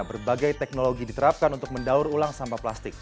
berbagai teknologi diterapkan untuk mendaur ulang sampah plastik